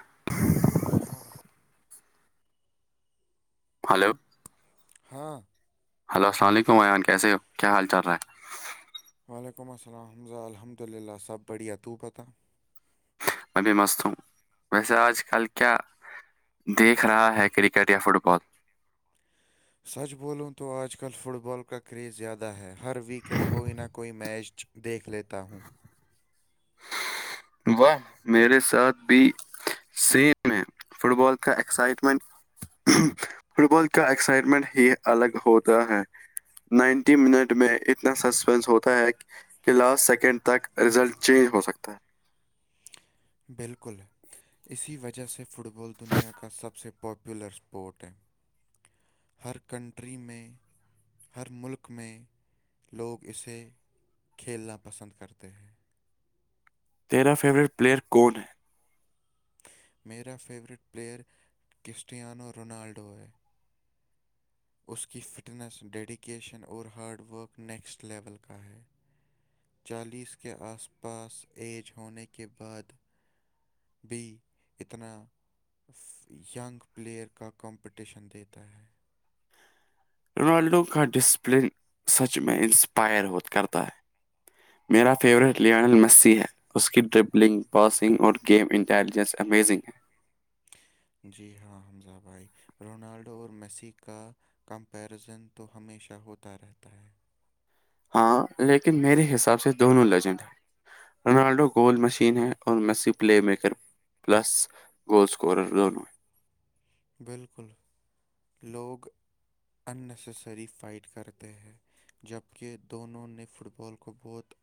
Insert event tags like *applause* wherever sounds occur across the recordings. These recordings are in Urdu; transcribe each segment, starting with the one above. ہاں *unintelligible* ہلو ہاں ہلو السلام علیکم ویان کیسے ہو کیا حال چل رہا ہے وعلیکم السلامز الحمد اللہ سب بڑھیا تو پتہ میں بھی مست ہوں ویسے آج کل کیا دیکھ رہا ہے کرکٹ یا فٹ بال سچ بولوں تو آج کل فٹ بال کا کریز زیادہ ہے ہر ویکینڈ کوئی نہ کوئی میچ دیکھ لیتا ہوں واہ میرے ساتھ بھی سیم ہے فٹ بال کا ایکسائٹمنٹ فٹ بال کا ایکسائٹمنٹ ہی الگ ہوتا ہے نائنٹی منٹ میں اتنا سسپینس ہوتا ہے کہ کہ لاسٹ سیکنڈ تک رزلٹ چینج ہو سکتا ہے بالکل اسی وجہ سے فٹ بال دنیا کا سب سے پاپولر اسپورٹ ہے ہر کنٹری میں ہر ملک میں لوگ اسے کھیلنا پسند کرتے ہیں تیرا فیوریٹ پلیئر کون ہے میرا فیورٹ پلیئر کرسٹیانو رونالڈو ہے اس کی فٹنس ڈیڈیکیشن اور ہارڈ ورک نیکسٹ لیول کا ہے چالیس کے آس پاس ایج ہونے کے بعد بھی اتنا ینگ پلیئر کا کمپٹیشن دیتا ہے رونالڈو کا ڈسپلن سچ میں انسپائر ہو کرتا ہے میرا فیوریٹ لیانل مسی ہے اس کی ڈرپلنگ پاسنگ اور گیم انٹیلیجنس امیزنگ ہے جی ہاں حمزہ بھائی رونالڈو اور میسی کا کمپیرزن تو ہمیشہ ہوتا رہتا ہے ہاں لیکن میرے حساب سے دونوں لیجنڈ ہیں رونالڈو گول مشین ہے اور Messi playmaker plus goal scorer دونوں ہیں بالکل لوگ ان نسیسری فائٹ کرتے ہیں جب کہہ دونوں نے فٹ بال کو بہت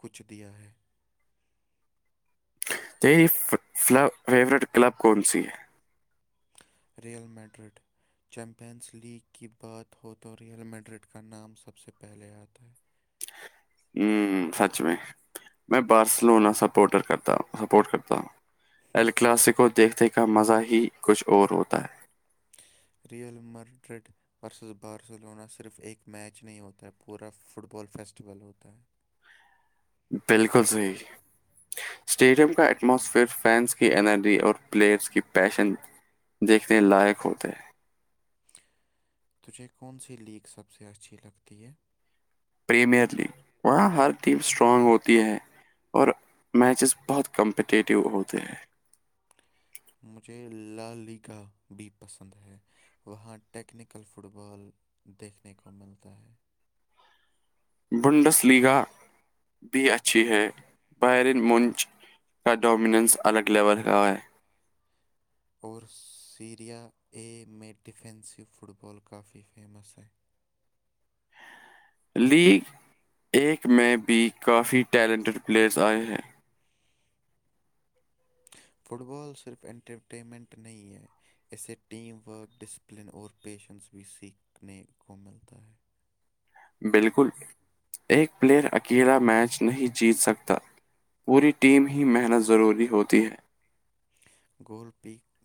کچھ دیا ہے تیری فیوریٹ کلب کون سی ہے ریئل میڈرڈ چیمپئنس لیگ کی بات ہو تو ریئل میڈرڈ کا نام سب سے پہلے آتا ہے ہوں سچ میں میں بارسلونا سپورٹر کرتا سپورٹ کرتا ہوں الکلاسیکو دیکھنے کا مزہ ہی کچھ اور ہوتا ہے ریئل مرڈرڈ س بارسلونا صرف ایک میچ نہیں ہوتا ہے پورا فٹ بال فیسٹیول ہوتا ہے بالکل صحی اسٹیڈیم کا ایٹماسفئر فینز کی انرجی اور پلیئرز کی پیشن دیکھنے لائق ہوتے تجھے کون سی لیک سب سے اچھی لگتی ہے پریمیئر لیگ وہاں ہر ٹیم اسٹرانگ ہوتی ہے اور میچز بہت کمپٹیٹیو ہوتے ہیں مجھے ل لی گا بھی پسند ہے وہاں ٹیکنیکل فٹ بال دیکھنے کو ملتا ہے بنڈس لیگا بھی اچھی ہے بیرن مونچ کا ڈومیننس الگ لیول کا ہے اور سیریا اے میں ڈیفینسو فٹ بال کافی فیمس ہے لیگ ایک میں بھی کافی ٹیلنٹیڈ پلیئرس آئے ہیں فٹ بال صرف انٹرٹینمنٹ نہیں ہے اسے ٹیم ورک ڈسپلن اور پیشنس بھی سیکھنے کو ملتا ہے بالکل ایک پلیئر اکیلا میچ نہیں جیت سکتا پوری ٹیم ہی محنت ضروری ہوتی ہے گول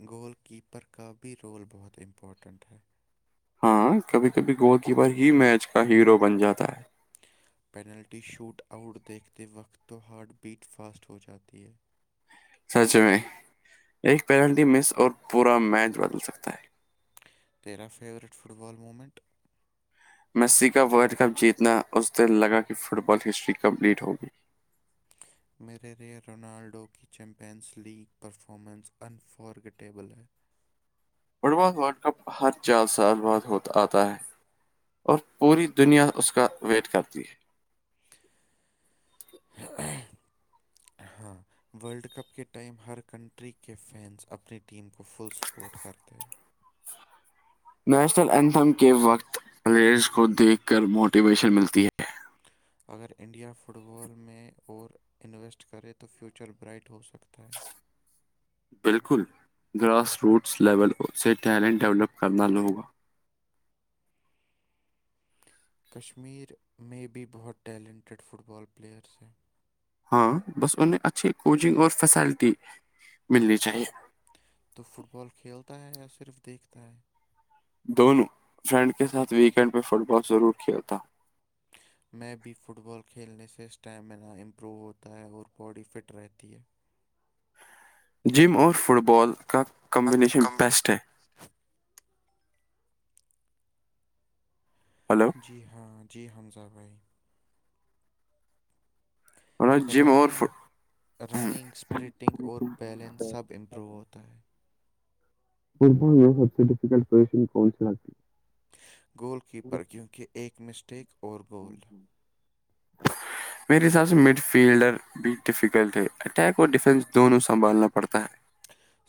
گول کیپر کا بھی رول بہت امپورٹنٹ ہے ہاں کبھی کبھی گول کیپر ہی میچ کا ہیرو بن جاتا ہے پینلٹی شوٹ آؤٹ دیکھتے وقت تو ہارٹ بیٹ فاسٹ ہو جاتی ہے سچ میں ایک پینلٹی مس اور پورا میچ بدل سکتا ہے تیرا favourite football moment Messi کا ورلڈ کپ جیتنا اس دن لگا کہ فٹ بال ہسٹری کمپلیٹ ہوگی میرے لیے رونالڈو کی چیمپئنس لیگ پرفارمنس انفارگٹیبل ہے فٹ بال ورلڈ کپ ہر چار سال بعد ہوتا آتا ہے اور پوری دنیا اس کا ویٹ کرتی ہے ج *inaudible* ہاں ورلڈ کپ کے ٹائم ہر کنٹری کے فینس اپنی ٹیم کو فل سپورٹ کرتے ہیں نیشنل اینتھم کے وقت پلیئرز کو دیکھ کر موٹیویشن ملتی ہے اگر انڈیا فٹ بال میں اور انویسٹ کرے تو فیوچر برائٹ ہو سکتا ہے *inaudible* بالکل گراس روٹس لیول سے ٹیلنٹ ڈیولپ کرنا لوگا کشمیر میں بھی بہت ٹیلنٹیڈ فٹ بال پلیئرس ہیں ہاں بس انہیں اچھی کوچنگ اور فیسلٹی ملنی چاہیے تو فٹ بال کھیلتا ہے یا صرف دیکھتا ہے دونوں فرینڈ کے ساتھ ویکینڈ پہ فٹ بال ضرور کھیلتا ہ *inaudible* میں بھی فٹ بال کھیلنے سے اسٹیمینا امپروو ہوتا ہے اور باڈی فٹ رہتی ہے جم اور فٹ بال کا کمبینیشن بیسٹ ہے مطلب جی ہاں جی حمزہ بھائی ورنہ جم اور رننگ فٹ رننگ اسپریٹنگ اور بیلنس سب امپروو ہوتا ہے ف میں سب سے ڈفیکلٹشن کون س لگتی ہے گول کیپر کیونکہ ایک مسٹیک اور گول میرے حساب سے مڈ فیلڈر بھی ڈیفیکلٹ ہے اٹیک اور ڈیفینس دونوں سنبھالنا پڑتا ہے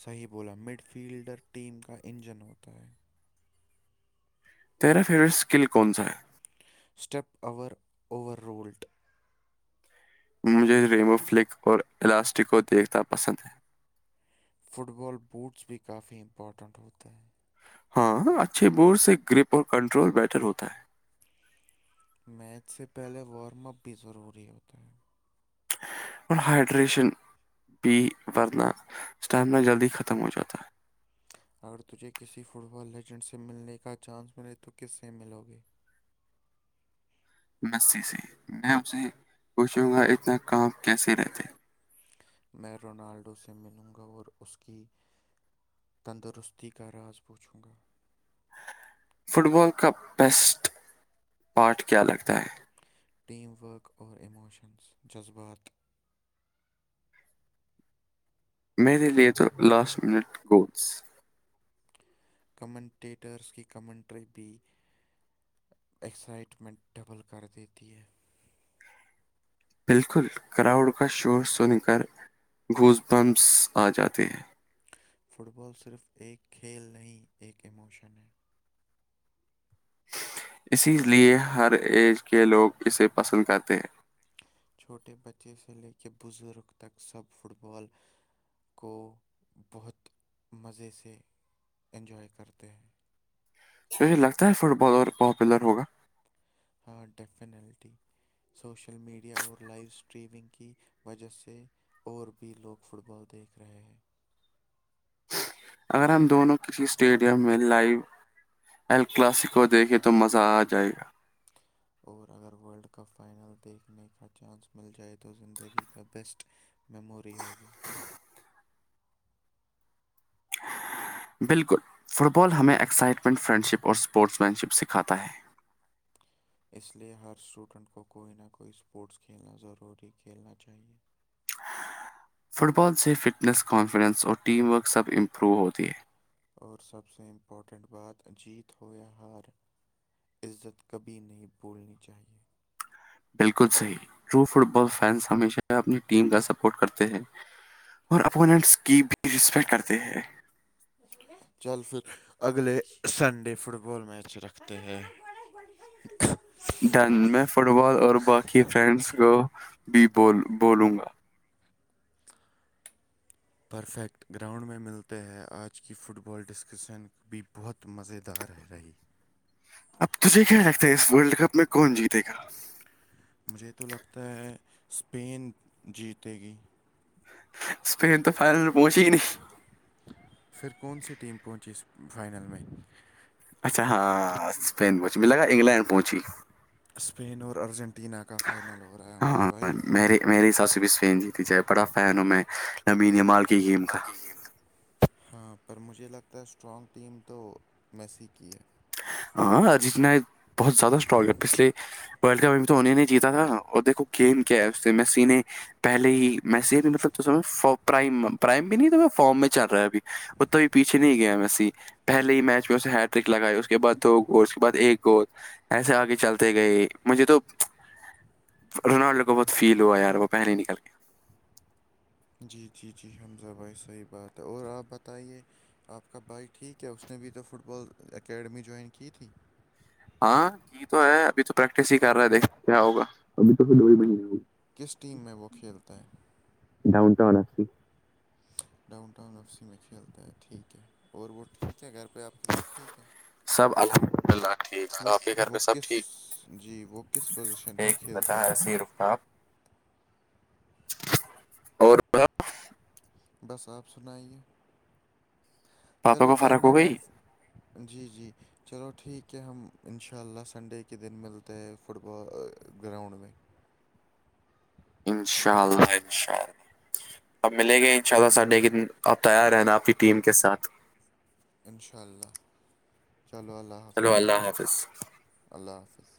صحیح بولا مڈ فیلڈر ٹیم کا انجن ہوتا ہے تیرا فیوریٹ اسکل کون سا ہے اسٹپ اور اوور رولڈ مجھے ریمو فلک اور الاسٹک کو دیکھنا پسند ہے فٹ بال بوٹس بھی کافی امپورٹنٹ ہوتے ہیں ہاں اچھے بور سے گرپ اور کنٹرول بیٹر ہوتا ہے میچ سے پہلے وارم اپ بھی ضروری ہوتا ہے اور ہائیڈریشن بھی ورنا اسٹیمنا جلدی ختم ہو جاتا ہے اگر تجھے کسی فٹ بال لیجنڈ سے ملنے کا چانس ملے تو کس سے ملو گے مست سے میں اسے پوچھوں گا اتنا کام کیسے رہتے میں رونالڈو سے ملوں گا اور اس کی تندرستی کا راز پوچھوں گا فٹ بال کا بیسٹ پارٹ کیا لگتا ہے ٹیم ورک اور ایموشنز جذبات میرے لیے تو لاسٹ منٹ گڈس کمنٹیٹرز کی کمنٹری بی ایکسائٹمنٹ ڈبل کر دیتی ہے بالکل کراؤڈ کا شور سن کر گھوس بمس آ جاتے ہیں فٹ بال صرف ایک کھیل نہیں ایک ایموشن ہے اسی لئے ہر ایج کے لوگ اسے پسند کرتے ہیں چھوٹے بچے سے لے کے بزرگ تک سب فٹ بال کو بہت مزے سے انجوائے کرتے ہیں مے لگتا ہے فٹ بال اور پاپولر ہوگا ہاں ڈیفینلٹی سوشل میڈیا اور لائیو اسٹریمنگ کی وجہ سے اور بھی لوگ فٹ بال دیکھ رہے ہیں اگر ہم دونوں کسی اسٹیڈیم میں لائو ایل کلاسیکو دیکھے تو مزہ آ جائے گا *inaudible* اور اگر ورلڈ کپ فائنل دیکھنے کا چانس مل جائے تو زندگی کا بیسٹ میموری ہوگی بالکل فٹ بال ہمیں ایکسائٹمنٹ فرینڈ شپ اور اسپورٹس مین شپ سکھاتا ہے اس لیے ہر اسٹوڈنٹ کو کوئی نہ کوئی اسپورٹس کھیلنا ضروری کھیلنا چاہیے فٹ بال سے فٹنس کانفیڈنس اور ٹیم ورک سب امپروو ہوتی ہے اور سب سے امپورٹنٹ بات اجیت ہویا ہار عزت کبھی نہیں بھولنی چاہیے بالکل صحیح ٹرو فٹ بال فینس ہمیشہ اپنی ٹیم کا سپورٹ کرتے ہیں اور اپوننٹس کی بھی رسپیکٹ کرتے ہیں چل پھر اگلے سنڈے فٹ بال میچ رکھتے ہیں پڑ دن میں فٹ بال اور باقی فرینڈس کو بھی بول بولوں گا پرفیکٹ گراؤنڈ میں ملتے ہیں آج کی فٹ بال ڈسکشن بھی بہت مزیدار رہی اب تجھے کیا لگتا ہے اس ورلڈ کپ میں کون جیتے گا مجھے تو لگتا ہے اسپین جیتے گی پھر تو فائنل پہنچی ہی نہیں پھر کون سی ٹیم پہنچی اس فائنل میں اچھا ہاں اسپین پہنچی میں لگا انگلینڈ پہنچی اسپین اور ارجنٹینا کا فائنل ہو رہا ہے حمزہ ہاں بھائی میرے میرے حساب سے بھی اس فین جیتی جائے بڑا فین ہوں میں نی مال ہاں پر مجھے لگتا ہے اسٹرانگ ٹیم تو میسی کی ہے ہاں ارجنٹینا بہت زیادہ اسٹراگ ہے پچھل ورلڈ کپ میں تو ہونے نہیں جیتا تھا اور دیکھو گیم کیا ہے اس سے میں سینے پہلے ہی میں س بھی مطلب پرائم پرائم بھی نہیں تھا فارم میں چل رہا ہے بھی ات بھی پیچھے نہیں گیا میں پہل ہی میچ میں اسے ہیٹریک لگائے اس کےعد دو گ اس کے بعد ایک گ ایسے آگے چلتے گئے مجھے تو رونالڈو کو بہت فیل ہوا ہےیار وہ پہل نل کے جی جی جی حمزہ بھائی صحیح بات ہے اور آپ بتائیے آپ کا بھائیک ٹھیک ہے اس نے بھی تو فٹ بال اکیڈمی جوائن کی تھی ہاں یہ تو ہے ابھی تو پریکٹس ہی کر رہے دیکھ کیا ہوگا ابھی تو ڈئیگی کس ٹیم میں وہ کھیلتا ہے ڈاؤن ٹؤن ای ڈاؤن ٹاؤن اف سی میں کھیلتے ہیں ٹھیک ہے اور وہ ٹھیک ہے گھر پہ آپ یہ سب ٹھیک ہے سب الحمد للہ ٹھیک آپ کے گھر پہ وہ سب کس ٹھیک جی وہ کس پوزیشن پہ ایک بتا کھیلتے ہے ہیں سیرفتاب اور بس آپ سناائیے پاپا چلو کو فرق ڈن ہے ہو میں گئی جی جی چلو ٹھیک ہے ہم ان شاء اللہ سنڈے کے دن ملتے تو فٹ ب گراؤنڈ میں انشاء اللہ انشاء اللہ اب ملیں گے ان شاء اللہ سنڈے کے دن آپ تیار رہ نا آپ کی ٹیم کے ساتھ انشاء اللہ چلو اللہ چلو حافظ اللہ حافظ اللہ حافظ